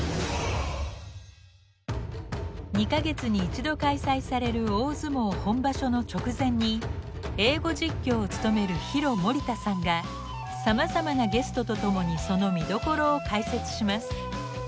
２か月に一度開催される大相撲本場所の直前に英語実況を務めるヒロ森田さんがさまざまなゲストと共にその見どころを解説します。